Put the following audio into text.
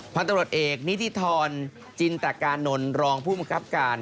พันตรวจเอกนิธิธรจินตกานนท์รองผู้บังคับการ